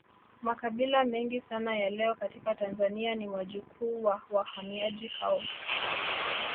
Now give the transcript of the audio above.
Makabila mengi sana ya leo katika Tanzania ni wajukuu wa wahamiaji hao